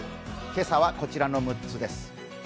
今朝はこちらの６つです。